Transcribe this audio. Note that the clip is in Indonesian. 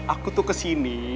aku tuh kesini